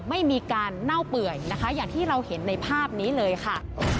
ไม่มีการเน่าเปื่อยนะคะอย่างที่เราเห็นในภาพนี้เลยค่ะ